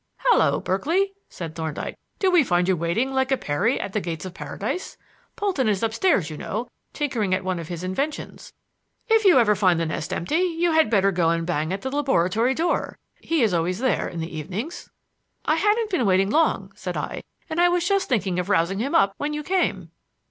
"Hallo, Berkeley!" said Thorndyke, "do we find you waiting like a Peri at the gates of Paradise? Polton is upstairs, you know, tinkering at one of his inventions. If you ever find the nest empty, you had better go up and bang at the laboratory door. He's always there in the evenings." "I haven't been waiting long," said I, "and I was just thinking of rousing him up when you came."